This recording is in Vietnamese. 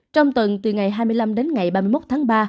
trong tuần từ ngày hai mươi năm ba mươi một tháng ba